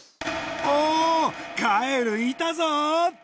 おぉカエルいたぞ！